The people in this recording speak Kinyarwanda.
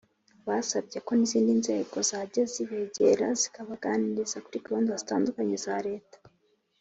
Basabye ko n izindi nzego zajya zibegera zikabaganiriza kuri gahunda zitandukanye za leta